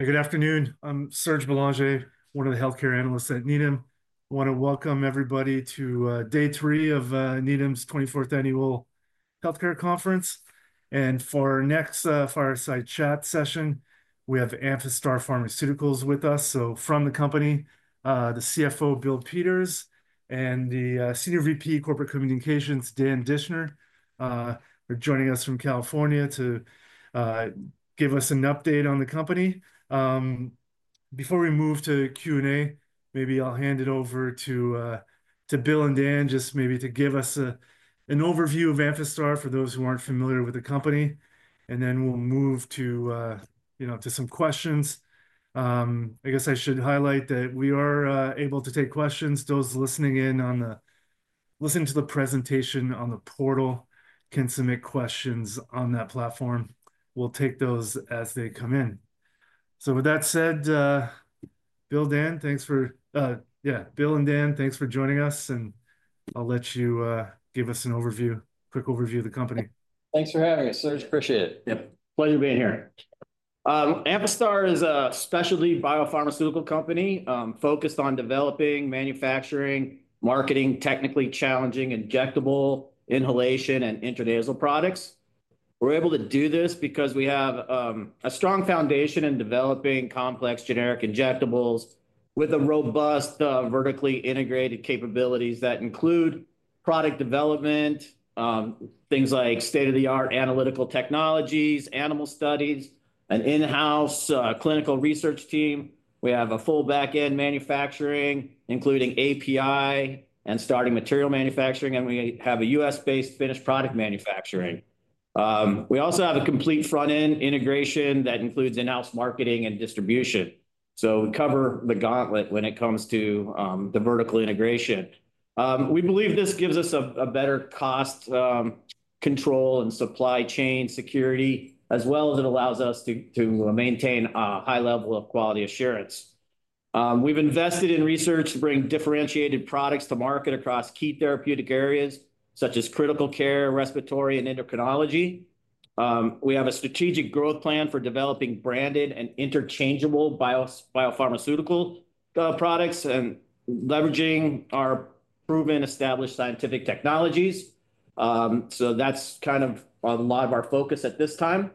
Good afternoon. I'm Serge Belanger, one of the Healthcare Analysts at Needham. I want to welcome everybody to day three of Needham's 24th Annual Healthcare Conference. For our next fireside chat session, we have Amphastar Pharmaceuticals with us. From the company, the CFO, Bill Peters, and the Senior VP Corporate Communications, Dan Dischner, are joining us from California to give us an update on the company. Before we move to Q&A, maybe I'll hand it over to Bill and Dan, just maybe to give us an overview of Amphastar for those who aren't familiar with the company. Then we'll move to, you know, to some questions. I guess I should highlight that we are able to take questions. Those listening in on the listening to the presentation on the portal can submit questions on that platform. We'll take those as they come in. With that said, Bill, Dan, thanks for, yeah, Bill and Dan, thanks for joining us. I'll let you give us an overview, quick overview of the company. Thanks for having us, Serge. Appreciate it. Yep. Pleasure being here. Amphastar is a specialty biopharmaceutical company focused on developing, manufacturing, marketing, technically challenging injectable, inhalation, and intranasal products. We're able to do this because we have a strong foundation in developing complex generic injectables with robust, vertically integrated capabilities that include product development, things like state-of-the-art analytical technologies, animal studies, an in-house clinical research team. We have a full back-end manufacturing, including API and starting material manufacturing. We have a U.S.-based finished product manufacturing. We also have a complete front-end integration that includes in-house marketing and distribution. We cover the gauntlet when it comes to the vertical integration. We believe this gives us better cost control and supply chain security, as well as it allows us to maintain a high level of quality assurance. We've invested in research to bring differentiated products to market across key therapeutic areas such as critical care, respiratory, and endocrinology. We have a strategic growth plan for developing branded and interchangeable biopharmaceutical products and leveraging our proven established scientific technologies. That is kind of a lot of our focus at this time.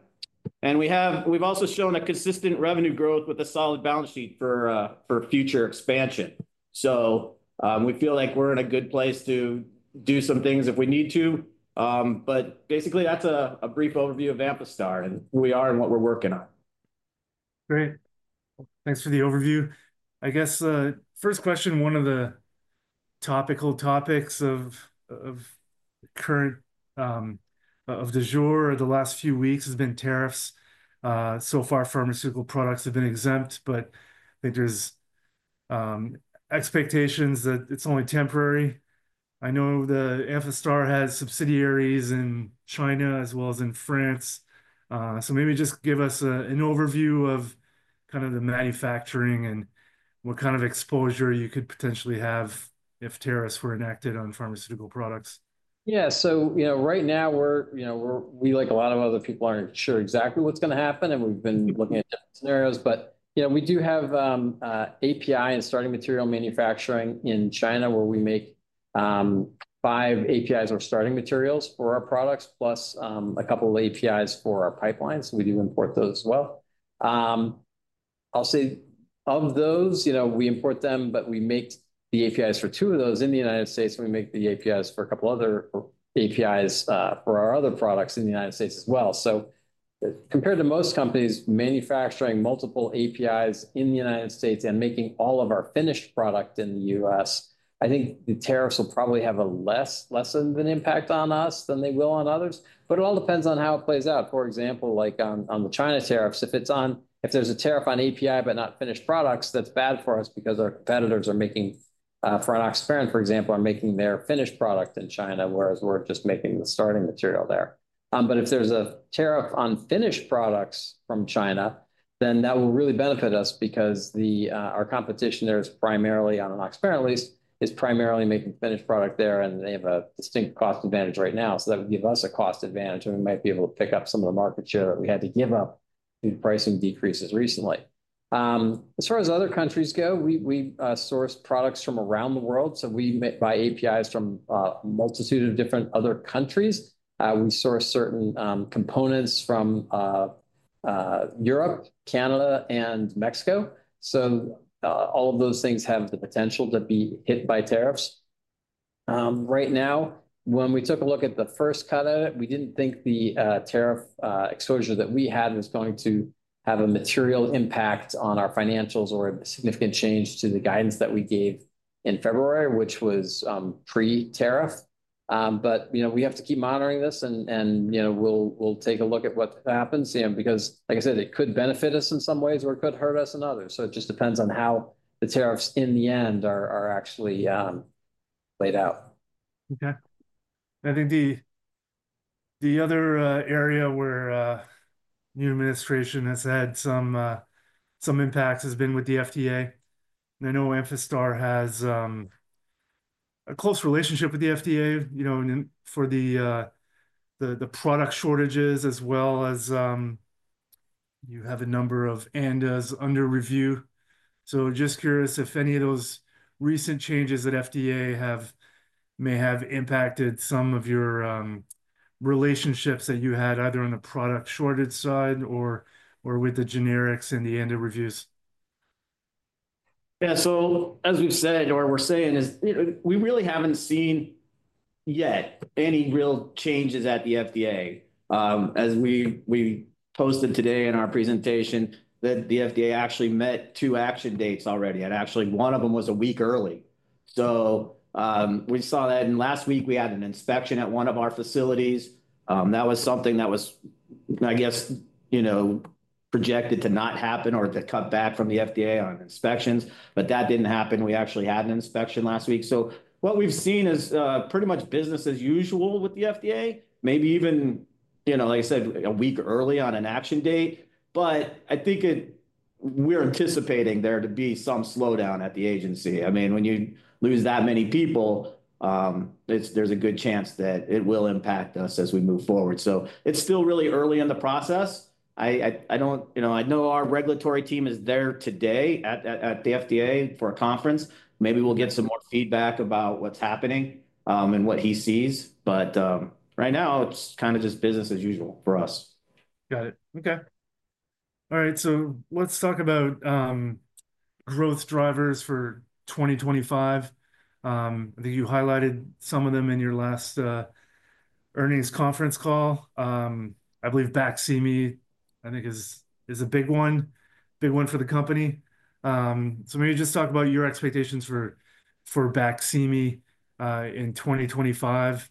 We've also shown consistent revenue growth with a solid balance sheet for future expansion. We feel like we're in a good place to do some things if we need to. That is a brief overview of Amphastar and who we are and what we're working on. Great. Thanks for the overview. I guess first question, one of the topical topics of current of du jour of the last few weeks has been tariffs. So far, pharmaceutical products have been exempt, but I think there's expectations that it's only temporary. I know Amphastar has subsidiaries in China as well as in France. Maybe just give us an overview of kind of the manufacturing and what kind of exposure you could potentially have if tariffs were enacted on pharmaceutical products. Yeah. So, you know, right now we're, you know, we're, we like a lot of other people aren't sure exactly what's going to happen. We've been looking at different scenarios. You know, we do have API and starting material manufacturing in China where we make five APIs or starting materials for our products, plus a couple of APIs for our pipelines. We do import those as well. I'll say of those, you know, we import them, but we make the APIs for two of those in the United States. We make the APIs for a couple other APIs for our other products in the United States as well. Compared to most companies manufacturing multiple APIs in the U.S. and making all of our finished product in the U.S., I think the tariffs will probably have a less impact on us than they will on others. It all depends on how it plays out. For example, like on the China tariffs, if there is a tariff on API but not finished products, that is bad for us because our competitors are making, for enoxaparin for example, are making their finished product in China, whereas we are just making the starting material there. If there is a tariff on finished products from China, that will really benefit us because our competition there is primarily, on enoxaparin at least, primarily making finished product there. They have a distinct cost advantage right now. That would give us a cost advantage. We might be able to pick up some of the market share that we had to give up due to pricing decreases recently. As far as other countries go, we source products from around the world. We buy APIs from a multitude of different other countries. We source certain components from Europe, Canada, and Mexico. All of those things have the potential to be hit by tariffs. Right now, when we took a look at the first cut of it, we did not think the tariff exposure that we had was going to have a material impact on our financials or a significant change to the guidance that we gave in February, which was pre-tariff. You know, we have to keep monitoring this. You know, we'll take a look at what happens, you know, because, like I said, it could benefit us in some ways or it could hurt us in others. It just depends on how the tariffs in the end are actually laid out. Okay. I think the other area where the new administration has had some impact has been with the FDA. I know Amphastar has a close relationship with the FDA, you know, for the product shortages as well as you have a number of ANDAs under review. Just curious if any of those recent changes at FDA may have impacted some of your relationships that you had either on the product shortage side or with the generics and the ANDA reviews. Yeah. As we've said, or we're saying is, you know, we really haven't seen yet any real changes at the FDA. As we posted today in our presentation that the FDA actually met two action dates already. Actually, one of them was a week early. We saw that last week we had an inspection at one of our facilities. That was something that was, I guess, you know, projected to not happen or to cut back from the FDA on inspections. That didn't happen. We actually had an inspection last week. What we've seen is pretty much business as usual with the FDA, maybe even, you know, like I said, a week early on an action date. I think we're anticipating there to be some slowdown at the agency. I mean, when you lose that many people, there's a good chance that it will impact us as we move forward. It is still really early in the process. I don't, you know, I know our regulatory team is there today at the FDA for a conference. Maybe we'll get some more feedback about what's happening and what he sees. Right now, it's kind of just business as usual for us. Got it. Okay. All right. Let's talk about growth drivers for 2025. I think you highlighted some of them in your last earnings conference call. I believe Baqsimi, I think, is a big one, big one for the company. Maybe just talk about your expectations for Baqsimi in 2025,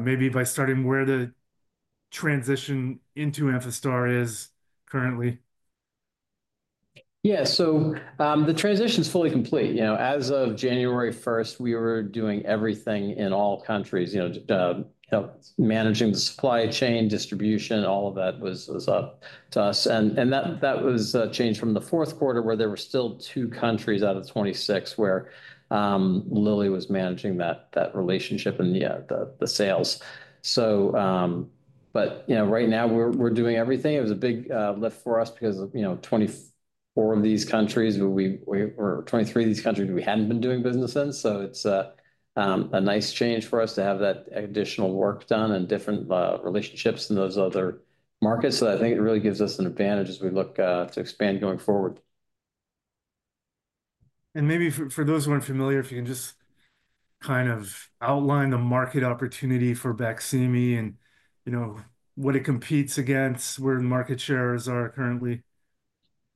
maybe by starting where the transition into Amphastar is currently. Yeah. So the transition is fully complete. You know, as of January 1st, we were doing everything in all countries, you know, managing the supply chain, distribution, all of that was up to us. That was changed from the fourth quarter where there were still two countries out of 26 where Lilly was managing that relationship and the sales. You know, right now we're doing everything. It was a big lift for us because, you know, 24 of these countries, or 23 of these countries we hadn't been doing business in. So it's a nice change for us to have that additional work done and different relationships in those other markets. I think it really gives us an advantage as we look to expand going forward. Maybe for those who aren't familiar, if you can just kind of outline the market opportunity for Baqsimi and, you know, what it competes against, where the market shares are currently. Yeah.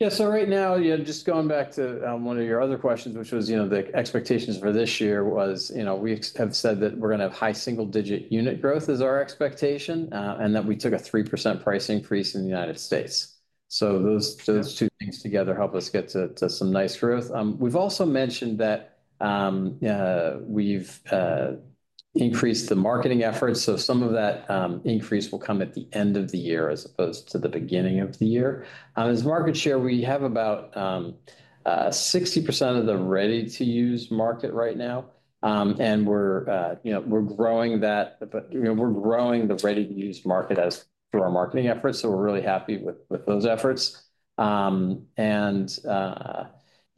So right now, you know, just going back to one of your other questions, which was, you know, the expectations for this year was, you know, we have said that we're going to have high single-digit unit growth as our expectation and that we took a 3% price increase in the United States. So those two things together help us get to some nice growth. We've also mentioned that we've increased the marketing efforts. So some of that increase will come at the end of the year as opposed to the beginning of the year. As market share, we have about 60% of the ready-to-use market right now. And we're, you know, we're growing that, but, you know, we're growing the ready-to-use market through our marketing efforts. So we're really happy with those efforts.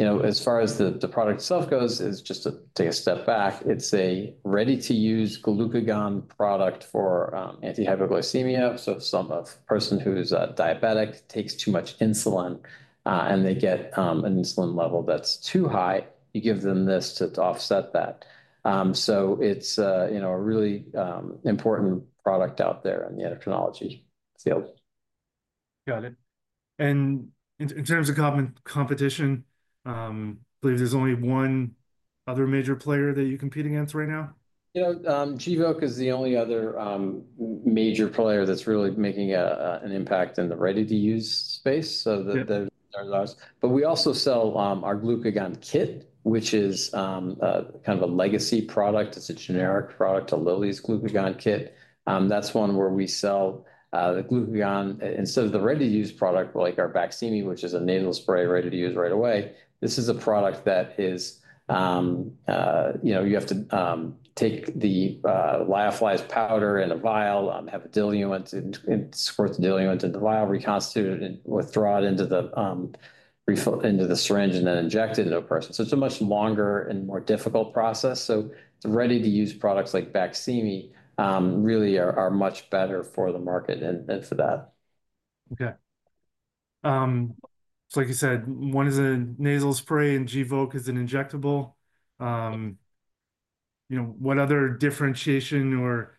You know, as far as the product itself goes, it's just to take a step back. It's a ready-to-use glucagon product for anti-hypoglycemia. If some person who's diabetic takes too much insulin and they get an insulin level that's too high, you give them this to offset that. It's, you know, a really important product out there in the endocrinology field. Got it. In terms of competition, I believe there's only one other major player that you compete against right now. You know, Gvoke is the only other major player that's really making an impact in the ready-to-use space. So there's ours. But we also sell our glucagon kit, which is kind of a legacy product. It's a generic product to Lilly's glucagon kit. That's one where we sell the glucagon instead of the ready-to-use product like our Baqsimi, which is a nasal spray ready-to-use right away. This is a product that is, you know, you have to take the lyophilized powder in a vial, have a diluent and squirt the diluent into the vial, reconstitute it, withdraw it into the syringe, and then inject it into a person. So it's a much longer and more difficult process. So the ready-to-use products like Baqsimi really are much better for the market and for that. Okay. Like you said, one is a nasal spray and Gvoke is an injectable. You know, what other differentiation or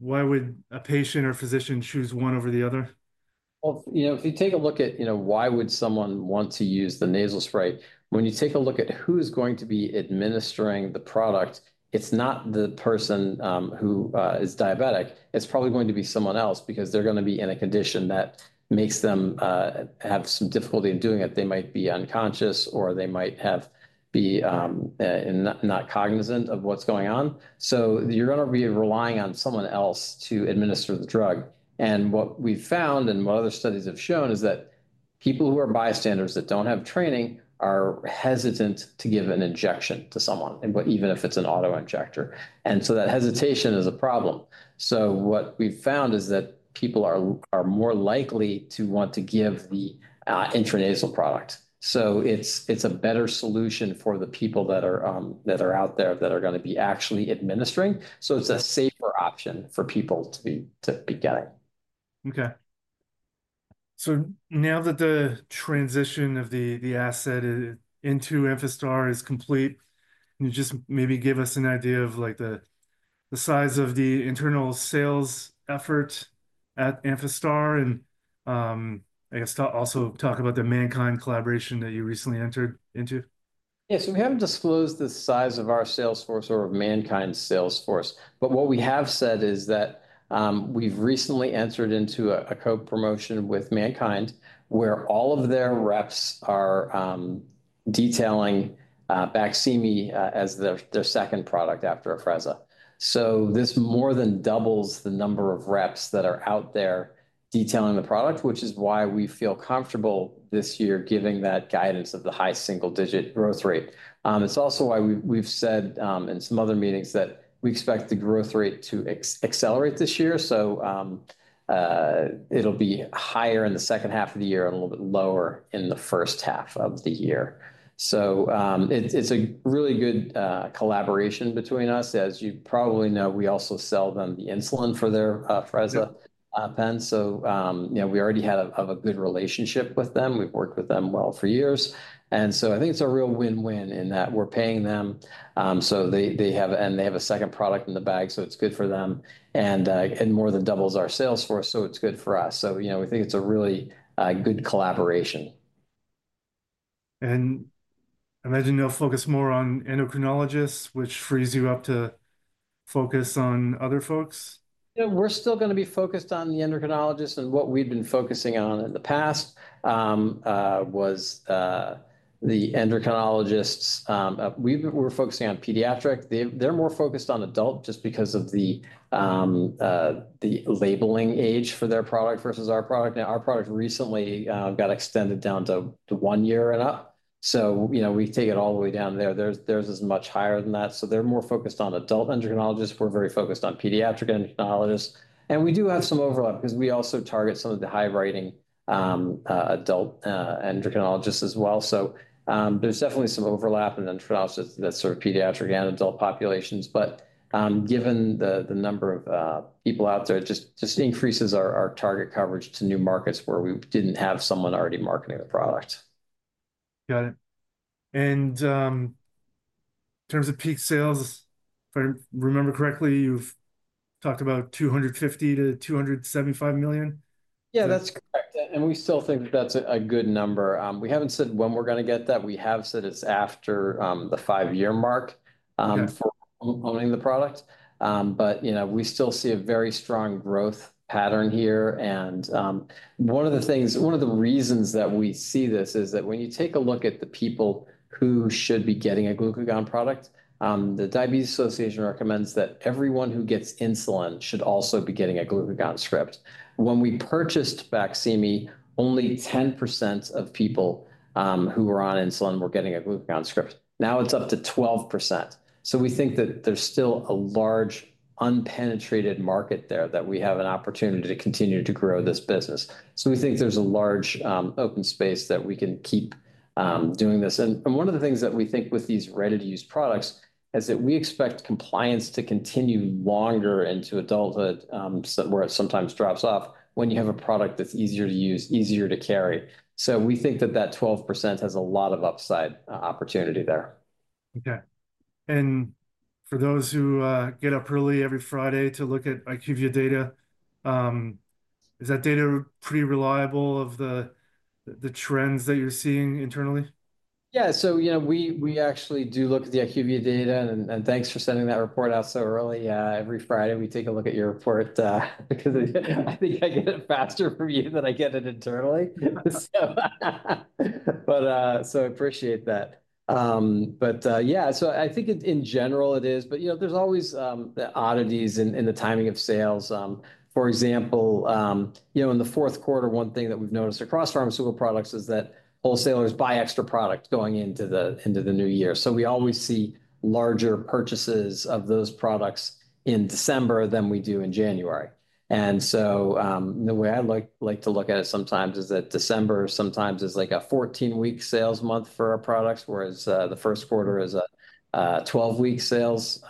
why would a patient or physician choose one over the other? You know, if you take a look at, you know, why would someone want to use the nasal spray? When you take a look at who's going to be administering the product, it's not the person who is diabetic. It's probably going to be someone else because they're going to be in a condition that makes them have some difficulty in doing it. They might be unconscious or they might be not cognizant of what's going on. You are going to be relying on someone else to administer the drug. What we've found and what other studies have shown is that people who are bystanders that don't have training are hesitant to give an injection to someone, even if it's an auto-injector. That hesitation is a problem. What we've found is that people are more likely to want to give the intranasal product. It is a better solution for the people that are out there that are going to be actually administering. It is a safer option for people to be getting. Okay. Now that the transition of the asset into Amphastar is complete, can you just maybe give us an idea of like the size of the internal sales effort at Amphastar and I guess also talk about the MannKind collaboration that you recently entered into? Yeah. We haven't disclosed the size of our sales force or MannKind sales force. What we have said is that we've recently entered into a co-promotion with MannKind where all of their reps are detailing Baqsimi as their second product after Afrezza. This more than doubles the number of reps that are out there detailing the product, which is why we feel comfortable this year giving that guidance of the high single-digit growth rate. It's also why we've said in some other meetings that we expect the growth rate to accelerate this year. It'll be higher in the second half of the year and a little bit lower in the first half of the year. It's a really good collaboration between us. As you probably know, we also sell them the insulin for their Afrezza pens. You know, we already have a good relationship with them. We've worked with them well for years. I think it's a real win-win in that we're paying them. They have a second product in the bag, so it's good for them. It more than doubles our sales force, so it's good for us. You know, we think it's a really good collaboration. I imagine you'll focus more on endocrinologists, which frees you up to focus on other folks. You know, we're still going to be focused on the endocrinologists and what we've been focusing on in the past was the endocrinologists. We're focusing on pediatric. They're more focused on adult just because of the labeling age for their product versus our product. Now, our product recently got extended down to one year and up. You know, we take it all the way down there. There's as much higher than that. They're more focused on adult endocrinologists. We're very focused on pediatric endocrinologists. We do have some overlap because we also target some of the high-writing adult endocrinologists as well. There's definitely some overlap in endocrinologists that serve pediatric and adult populations. Given the number of people out there, it just increases our target coverage to new markets where we didn't have someone already marketing the product. Got it. In terms of peak sales, if I remember correctly, you've talked about $250 million-$275 million. Yeah, that's correct. We still think that that's a good number. We haven't said when we're going to get that. We have said it's after the five-year mark for owning the product. You know, we still see a very strong growth pattern here. One of the reasons that we see this is that when you take a look at the people who should be getting a glucagon product, the Diabetes Association recommends that everyone who gets insulin should also be getting a glucagon script. When we purchased Baqsimi, only 10% of people who were on insulin were getting a glucagon script. Now it's up to 12%. We think that there's still a large unpenetrated market there that we have an opportunity to continue to grow this business. We think there's a large open space that we can keep doing this. One of the things that we think with these ready-to-use products is that we expect compliance to continue longer into adulthood where it sometimes drops off when you have a product that's easier to use, easier to carry. We think that that 12% has a lot of upside opportunity there. Okay. For those who get up early every Friday to look at IQVIA data, is that data pretty reliable of the trends that you're seeing internally? Yeah. So, you know, we actually do look at the IQVIA data. And thanks for sending that report out so early. Every Friday, we take a look at your report because I think I get it faster from you than I get it internally. So I appreciate that. Yeah, so I think in general it is. You know, there's always the oddities in the timing of sales. For example, you know, in the fourth quarter, one thing that we've noticed across pharmaceutical products is that wholesalers buy extra product going into the new year. We always see larger purchases of those products in December than we do in January. The way I like to look at it sometimes is that December sometimes is like a 14-week sales month for our products, whereas the first quarter is a 12-week sales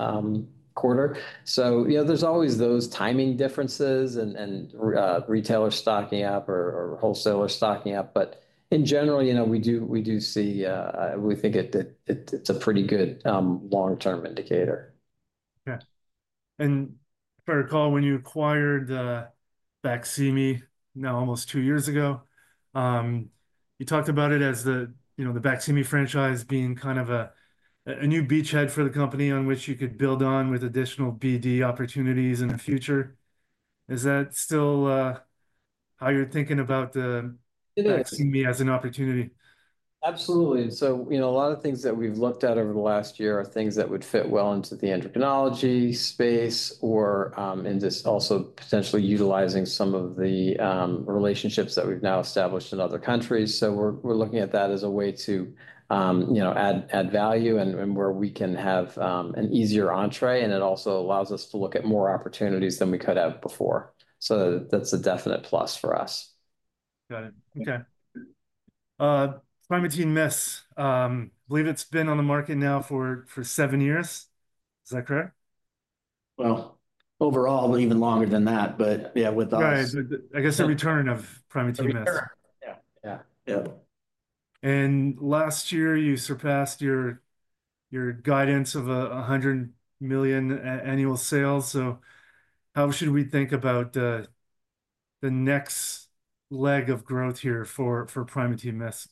quarter. You know, there's always those timing differences and retailers stocking up or wholesalers stocking up. In general, you know, we do see, we think it's a pretty good long-term indicator. Okay. If I recall, when you acquired Baqsimi now almost two years ago, you talked about it as the, you know, the Baqsimi franchise being kind of a new beachhead for the company on which you could build on with additional BD opportunities in the future. Is that still how you're thinking about the Baqsimi as an opportunity? Absolutely. You know, a lot of things that we've looked at over the last year are things that would fit well into the endocrinology space or in this also potentially utilizing some of the relationships that we've now established in other countries. We're looking at that as a way to, you know, add value and where we can have an easier entree. It also allows us to look at more opportunities than we could have before. That's a definite plus for us. Got it. Okay. Primatene Mist, I believe it's been on the market now for seven years. Is that correct? Overall, but even longer than that. But yeah, with us. I guess the return of Primatene Mist. Yeah. Yeah. Last year, you surpassed your guidance of $100 million annual sales. How should we think about the next leg of growth here for Primatene Mist?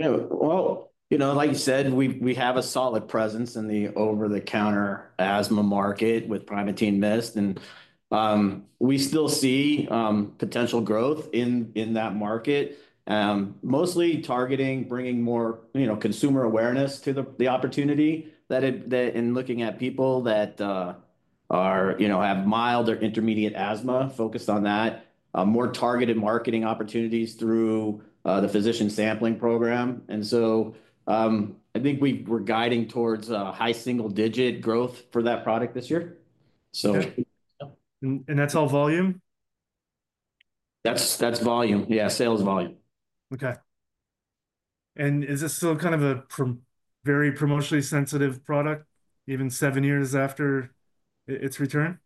Yeah. You know, like you said, we have a solid presence in the over-the-counter asthma market with Primatene Mist. We still see potential growth in that market, mostly targeting, bringing more, you know, consumer awareness to the opportunity that in looking at people that are, you know, have mild or intermediate asthma, focus on that, more targeted marketing opportunities through the physician sampling program. I think we're guiding towards a high single-digit growth for that product this year. That's all volume? That's volume. Yeah, sales volume. Okay. Is this still kind of a very promotionally sensitive product, even seven years after its return?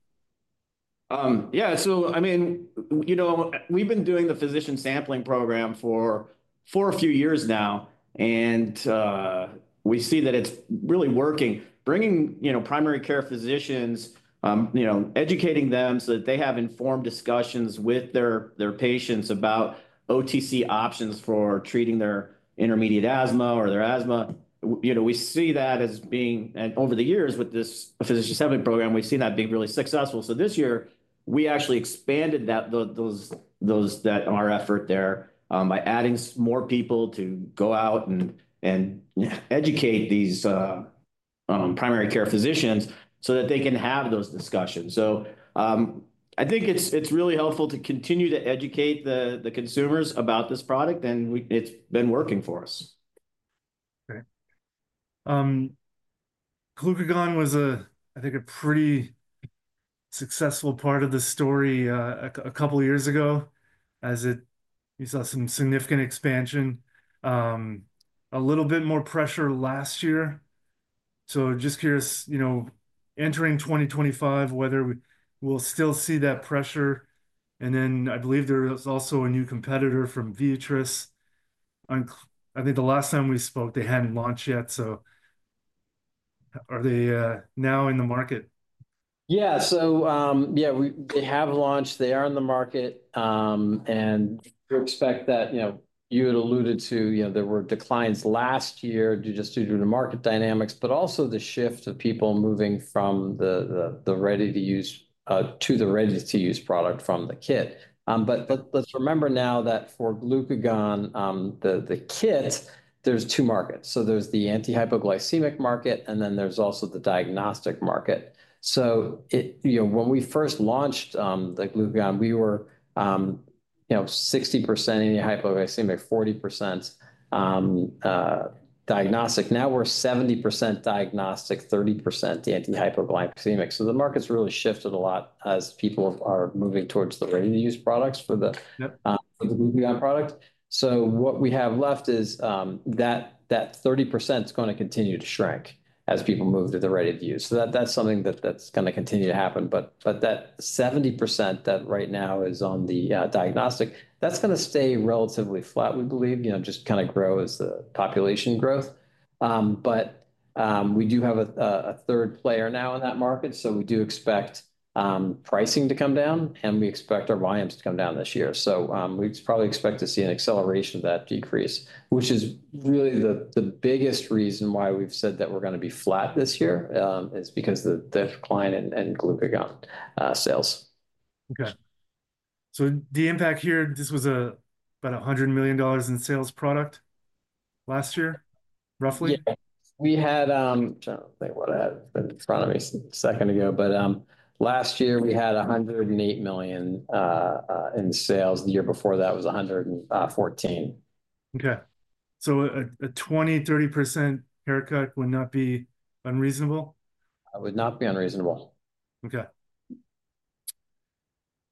Yeah. So, I mean, you know, we've been doing the physician sampling program for a few years now. We see that it's really working, bringing, you know, primary care physicians, you know, educating them so that they have informed discussions with their patients about OTC options for treating their intermediate asthma or their asthma. You know, we see that as being, and over the years with this physician sampling program, we've seen that be really successful. This year, we actually expanded our effort there by adding more people to go out and educate these primary care physicians so that they can have those discussions. I think it's really helpful to continue to educate the consumers about this product. It's been working for us. Okay. Glucagon was, I think, a pretty successful part of the story a couple of years ago as we saw some significant expansion, a little bit more pressure last year. Just curious, you know, entering 2025, whether we'll still see that pressure. I believe there was also a new competitor from Viatris. I think the last time we spoke, they hadn't launched yet. Are they now in the market? Yeah. So yeah, they have launched. They are in the market. And we expect that, you know, you had alluded to, you know, there were declines last year just due to the market dynamics, but also the shift of people moving from the ready-to-use to the ready-to-use product from the kit. Let's remember now that for glucagon, the kit, there's two markets. There is the anti-hypoglycemic market, and then there is also the diagnostic market. When we first launched the glucagon, we were, you know, 60% anti-hypoglycemic, 40% diagnostic. Now we are 70% diagnostic, 30% anti-hypoglycemic. The market's really shifted a lot as people are moving towards the ready-to-use products for the glucagon product. What we have left is that 30% is going to continue to shrink as people move to the ready-to-use. That is something that is going to continue to happen. That 70% that right now is on the diagnostic, that's going to stay relatively flat, we believe, you know, just kind of grow as the population growth. We do have a third player now in that market. We do expect pricing to come down, and we expect our volumes to come down this year. We probably expect to see an acceleration of that decrease, which is really the biggest reason why we've said that we're going to be flat this year is because of the decline in glucagon sales. Okay. The impact here, this was about $100 million in sales product last year, roughly? Yeah. We had, I'm trying to think what I had in front of me a second ago, but last year we had $108 million in sales. The year before that was $114 million. Okay. So a 20%, 30% haircut would not be unreasonable? It would not be unreasonable. Okay.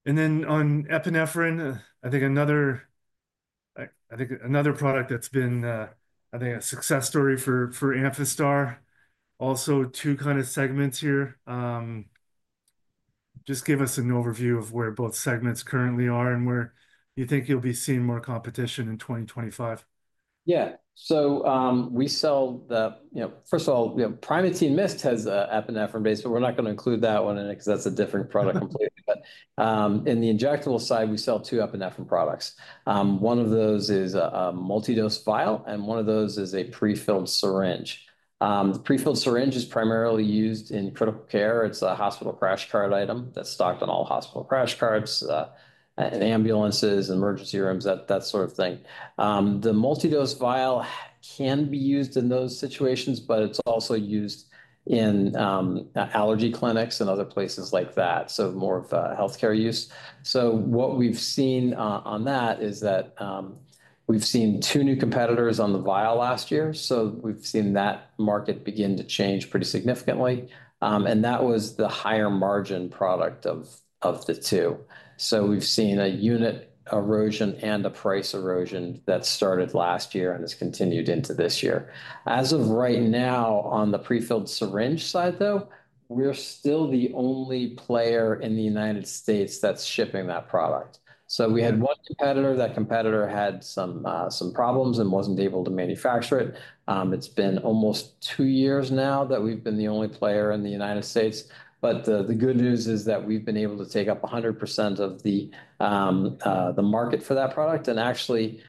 On epinephrine, I think another product that's been, I think, a success story for Amphastar, also two kind of segments here. Just give us an overview of where both segments currently are and where you think you'll be seeing more competition in 2025. Yeah. So we sell the, you know, first of all, Primatene Mist has an epinephrine base, but we're not going to include that one in it because that's a different product completely. In the injectable side, we sell two epinephrine products. One of those is a multidose vial, and one of those is a prefilled syringe. The prefilled syringe is primarily used in critical care. It's a hospital crash cart item that's stocked on all hospital crash carts, in ambulances, emergency rooms, that sort of thing. The multidose vial can be used in those situations, but it's also used in allergy clinics and other places like that, so more of healthcare use. What we've seen on that is that we've seen two new competitors on the vial last year. We've seen that market begin to change pretty significantly. That was the higher margin product of the two. We have seen a unit erosion and a price erosion that started last year and has continued into this year. As of right now, on the prefilled syringe side, we are still the only player in the United States that is shipping that product. We had one competitor. That competitor had some problems and was not able to manufacture it. It has been almost two years now that we have been the only player in the United States. The good news is that we have been able to take up 100% of the market for that product. Actually,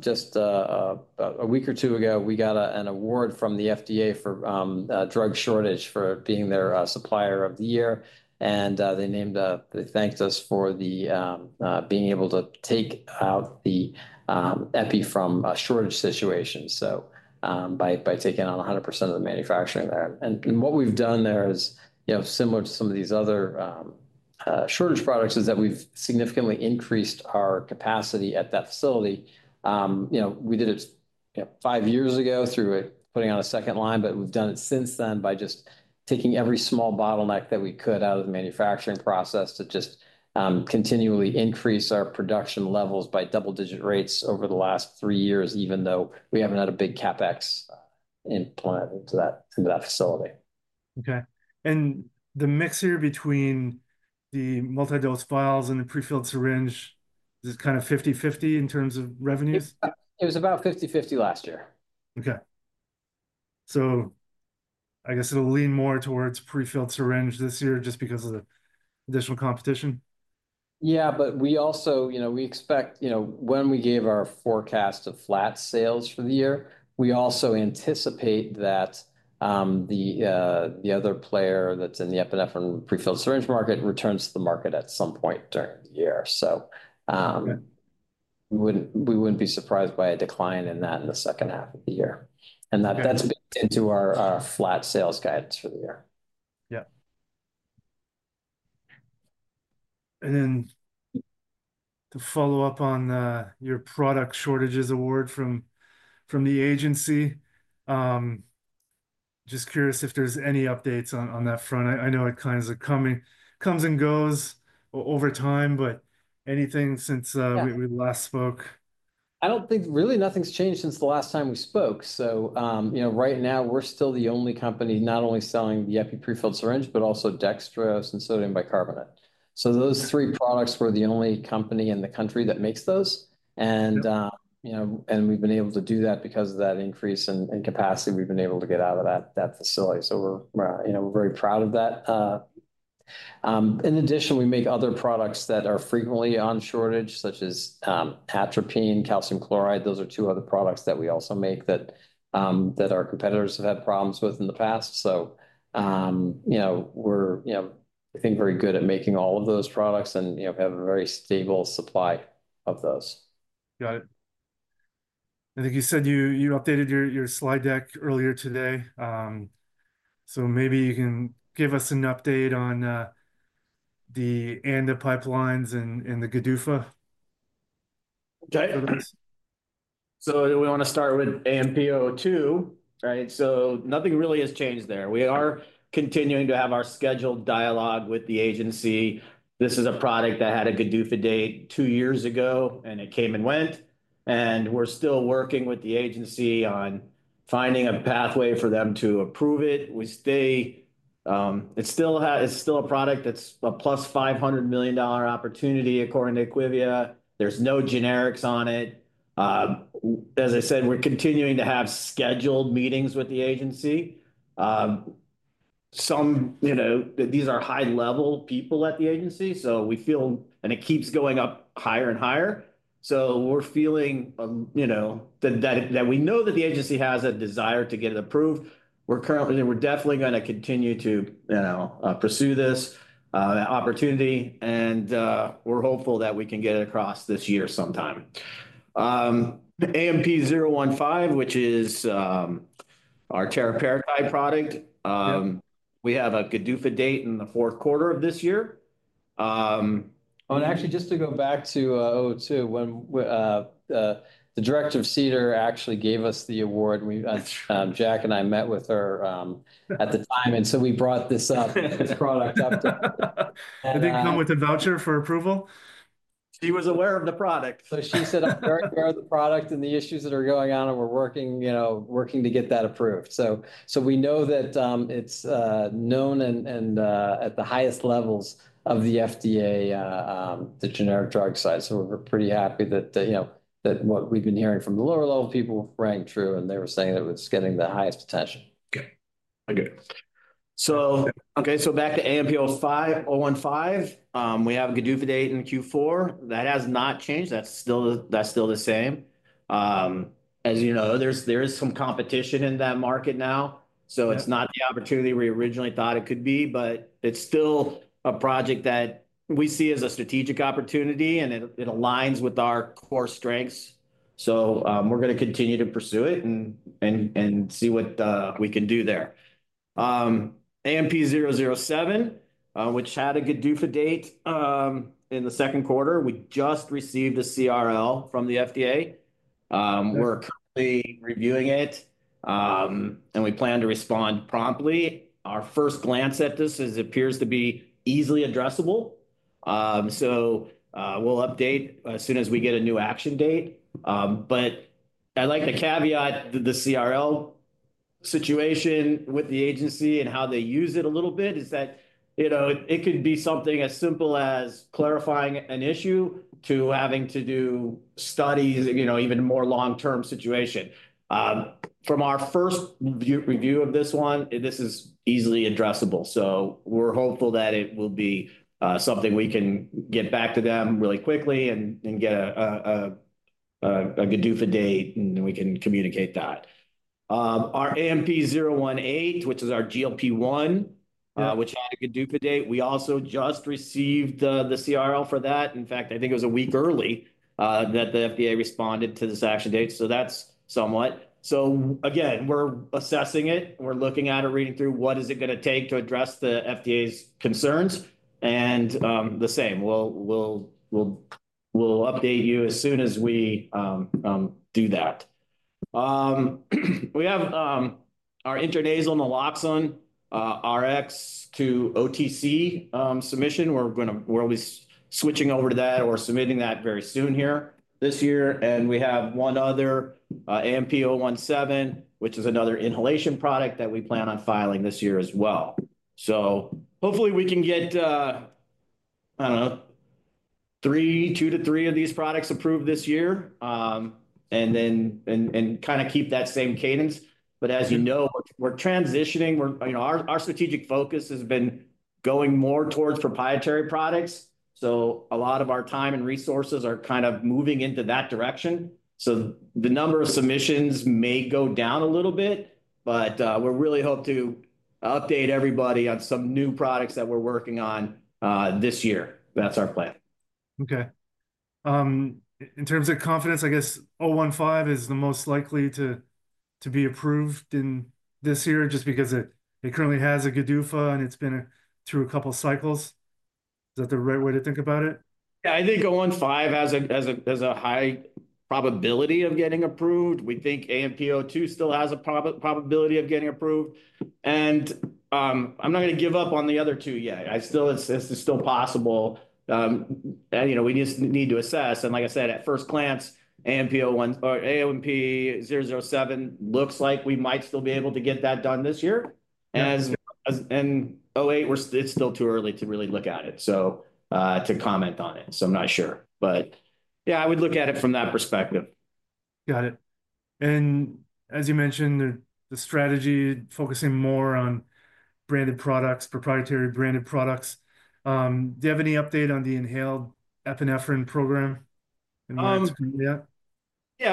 just a week or two ago, we got an award from the FDA for drug shortage for being their supplier of the year. They named us, they thanked us for being able to take out the Epi from a shortage situation. By taking on 100% of the manufacturing there, and what we've done there is, you know, similar to some of these other shortage products, we have significantly increased our capacity at that facility. You know, we did it five years ago through putting on a second line, but we've done it since then by just taking every small bottleneck that we could out of the manufacturing process to just continually increase our production levels by double-digit rates over the last three years, even though we haven't had a big CapEx implemented to that facility. Okay. The mix here between the multidose vials and the prefilled syringe, is it kind of 50/50 in terms of revenues? It was about 50/50 last year. Okay. I guess it'll lean more towards prefilled syringe this year just because of the additional competition? Yeah. But we also, you know, we expect, you know, when we gave our forecast of flat sales for the year, we also anticipate that the other player that's in the epinephrine prefilled syringe market returns to the market at some point during the year. So we wouldn't be surprised by a decline in that in the second half of the year. And that's built into our flat sales guidance for the year. Yeah. To follow up on your product shortages award from the agency, just curious if there's any updates on that front. I know it kind of comes and goes over time, but anything since we last spoke? I don't think really nothing's changed since the last time we spoke. You know, right now, we're still the only company not only selling the Epi prefilled syringe, but also dextrose and sodium bicarbonate. Those three products, we're the only company in the country that makes those. You know, we've been able to do that because of that increase in capacity we've been able to get out of that facility. We're very proud of that. In addition, we make other products that are frequently on shortage, such as atropine and calcium chloride. Those are two other products that we also make that our competitors have had problems with in the past. You know, I think we're very good at making all of those products and, you know, have a very stable supply of those. Got it. I think you said you updated your slide deck earlier today. Maybe you can give us an update on the ANDA pipelines and the GDUFA. We want to start with AMP-002, right? Nothing really has changed there. We are continuing to have our scheduled dialogue with the agency. This is a product that had a GDUFA date two years ago, and it came and went. We're still working with the agency on finding a pathway for them to approve it. It's still a product that's a +$500 million opportunity according to IQVIA. There are no generics on it. As I said, we're continuing to have scheduled meetings with the agency. You know, these are high-level people at the agency. We feel, and it keeps going up higher and higher. We're feeling, you know, that we know that the agency has a desire to get it approved. We're definitely going to continue to, you know, pursue this opportunity. We're hopeful that we can get it across this year sometime. AMP-015, which is our teriparatide product, we have a GDUFA date in the fourth quarter of this year. Oh, and actually, just to go back to 002, when the Director of CDER actually gave us the award, Jack and I met with her at the time. And so we brought this up, this product up. Did they come with a voucher for approval? She was aware of the product. She said, "I'm very aware of the product and the issues that are going on, and we're working, you know, working to get that approved." We know that it's known and at the highest levels of the FDA, the generic drug side. We're pretty happy that, you know, what we've been hearing from the lower-level people rang true, and they were saying that it was getting the highest attention. Okay. Okay. Okay, back to AMP-015, we have a GDUFA date in Q4. That has not changed. That's still the same. As you know, there is some competition in that market now. It's not the opportunity we originally thought it could be, but it's still a project that we see as a strategic opportunity, and it aligns with our core strengths. We're going to continue to pursue it and see what we can do there. AMP-007, which had a GDUFA date in the second quarter, we just received a CRL from the FDA. We're currently reviewing it, and we plan to respond promptly. Our first glance at this is it appears to be easily addressable. We'll update as soon as we get a new action date. I like to caveat the CRL situation with the agency and how they use it a little bit is that, you know, it could be something as simple as clarifying an issue to having to do studies, you know, even more long-term situation. From our first review of this one, this is easily addressable. We are hopeful that it will be something we can get back to them really quickly and get a GDUFA date, and we can communicate that. Our AMP-018, which is our GLP-1, which had a GDUFA date, we also just received the CRL for that. In fact, I think it was a week early that the FDA responded to this action date. That is somewhat. Again, we are assessing it. We are looking at it, reading through what is it going to take to address the FDA's concerns. We will update you as soon as we do that. We have our intranasal naloxone Rx to OTC submission. We are always switching over to that or submitting that very soon here this year. We have one other AMP-017, which is another inhalation product that we plan on filing this year as well. Hopefully we can get, I do not know, two to three of these products approved this year and then kind of keep that same cadence. As you know, we are transitioning. Our strategic focus has been going more towards proprietary products. A lot of our time and resources are kind of moving into that direction. The number of submissions may go down a little bit, but we really hope to update everybody on some new products that we are working on this year. That is our plan. Okay. In terms of confidence, I guess 015 is the most likely to be approved in this year just because it currently has a GDUFA and it's been through a couple of cycles. Is that the right way to think about it? Yeah, I think 015 has a high probability of getting approved. We think AMP-002 still has a probability of getting approved. I'm not going to give up on the other two yet. It's still possible. You know, we just need to assess. Like I said, at first glance, AMP-007 looks like we might still be able to get that done this year. And 018, it's still too early to really look at it to comment on it. I'm not sure. Yeah, I would look at it from that perspective. Got it. As you mentioned, the strategy focusing more on branded products, proprietary branded products. Do you have any update on the inhaled epinephrine program? Yeah.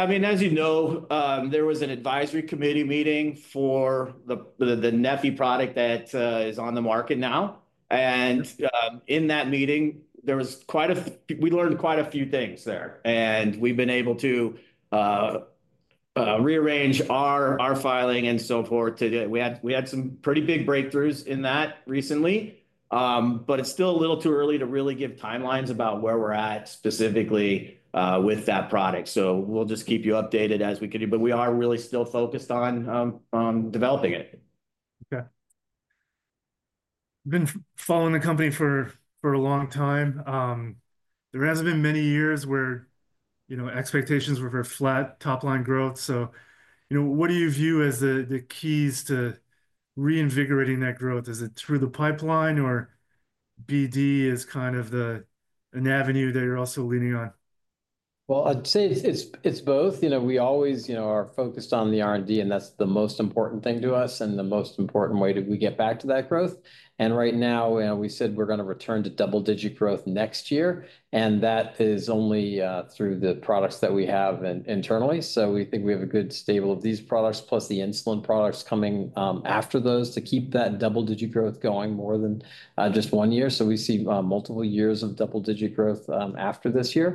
I mean, as you know, there was an advisory committee meeting for the neffy product that is on the market now. In that meeting, we learned quite a few things there. We have been able to rearrange our filing and so forth. We had some pretty big breakthroughs in that recently, but it is still a little too early to really give timelines about where we are at specifically with that product. We will just keep you updated as we can, but we are really still focused on developing it. Okay. You've been following the company for a long time. There haven't been many years where, you know, expectations were for flat top-line growth. What do you view as the keys to reinvigorating that growth? Is it through the pipeline or BD is kind of an avenue that you're also leaning on? I’d say it’s both. You know, we always, you know, are focused on the R&D, and that’s the most important thing to us and the most important way that we get back to that growth. Right now, we said we’re going to return to double-digit growth next year. That is only through the products that we have internally. We think we have a good stable of these products, plus the insulin products coming after those to keep that double-digit growth going more than just one year. We see multiple years of double-digit growth after this year.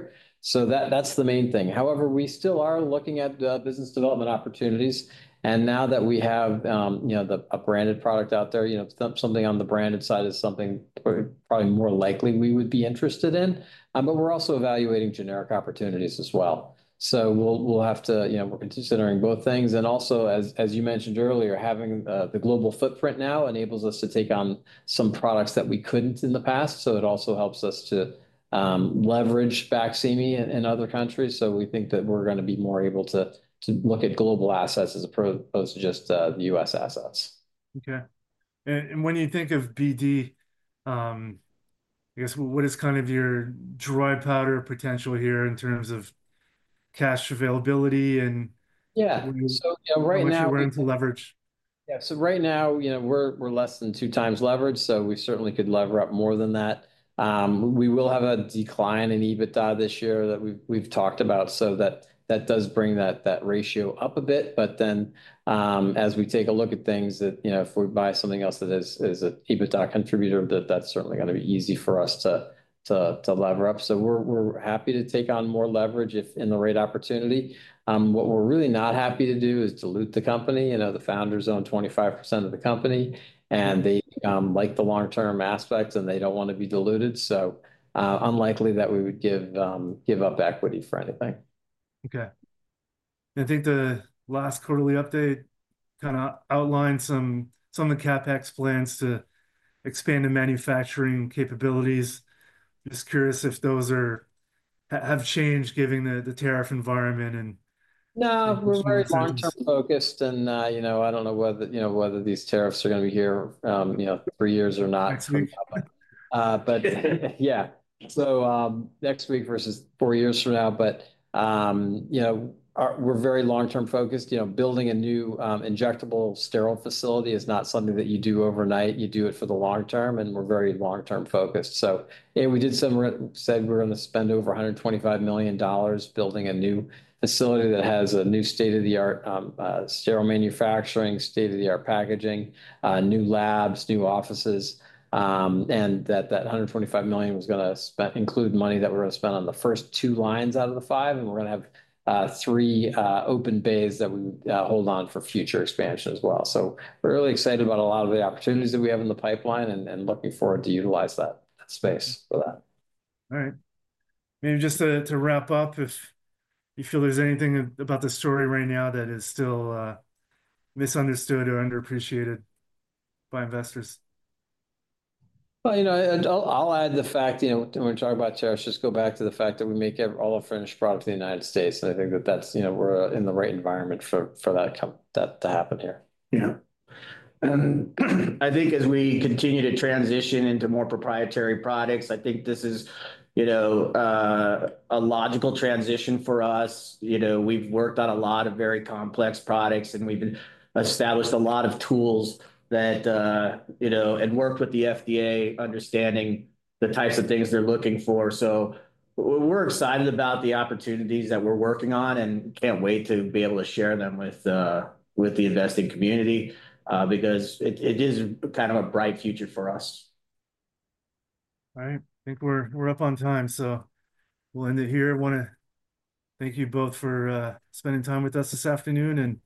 That’s the main thing. However, we still are looking at business development opportunities. Now that we have, you know, a branded product out there, you know, something on the branded side is something probably more likely we would be interested in. We're also evaluating generic opportunities as well. We'll have to, you know, we're considering both things. Also, as you mentioned earlier, having the global footprint now enables us to take on some products that we couldn't in the past. It also helps us to leverage vaccine in other countries. We think that we're going to be more able to look at global assets as opposed to just the U.S. assets. Okay. When you think of BD, I guess what is kind of your dry powder potential here in terms of cash availability and what you're willing to leverage? Yeah. So right now, you know, we're less than 2x leveraged. So we certainly could lever up more than that. We will have a decline in EBITDA this year that we've talked about. So that does bring that ratio up a bit. As we take a look at things that, you know, if we buy something else that is an EBITDA contributor, that's certainly going to be easy for us to lever up. We're happy to take on more leverage if in the right opportunity. What we're really not happy to do is dilute the company. You know, the founders own 25% of the company, and they like the long-term aspects, and they don't want to be diluted. So unlikely that we would give up equity for anything. Okay. I think the last quarterly update kind of outlined some of the CapEx plans to expand the manufacturing capabilities. Just curious if those have changed given the tariff environment. No, we're very long-term focused. You know, I don't know whether these tariffs are going to be here, you know, three years or not. Yeah, next week versus four years from now. You know, we're very long-term focused. You know, building a new injectable sterile facility is not something that you do overnight. You do it for the long term, and we're very long-term focused. We did some said we're going to spend over $125 million building a new facility that has a new state-of-the-art sterile manufacturing, state-of-the-art packaging, new labs, new offices. That $125 million was going to include money that we're going to spend on the first two lines out of the five. We're going to have three open bays that we hold on for future expansion as well. We're really excited about a lot of the opportunities that we have in the pipeline and looking forward to utilize that space for that. All right. Maybe just to wrap up, if you feel there's anything about the story right now that is still misunderstood or underappreciated by investors. You know, I'll add the fact, you know, when we talk about tariffs, just go back to the fact that we make all our finished product in the United States. I think that that's, you know, we're in the right environment for that to happen here. Yeah. I think as we continue to transition into more proprietary products, I think this is, you know, a logical transition for us. You know, we've worked on a lot of very complex products, and we've established a lot of tools that, you know, and worked with the FDA understanding the types of things they're looking for. We are excited about the opportunities that we're working on and can't wait to be able to share them with the investing community because it is kind of a bright future for us. All right. I think we're up on time. We'll end it here. I want to thank you both for spending time with us this afternoon and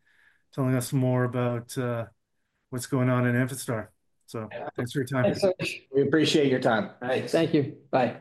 telling us more about what's going on in Amphastar. Thanks for your time. We appreciate your time. Thank you. Bye.